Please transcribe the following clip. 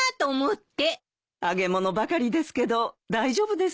揚げ物ばかりですけど大丈夫ですか？